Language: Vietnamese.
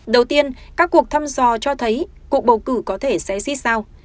đầu tiên các cuộc thăm dò cho thấy cuộc bầu cử có thể xé xít sao